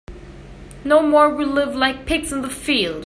No more we live like pigs in the field.